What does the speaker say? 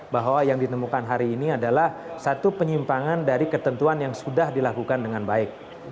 bahwa yang ditemukan hari ini adalah satu penyimpangan dari ketentuan yang sudah dilakukan dengan baik